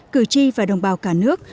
cử tri và đồng bào cả nước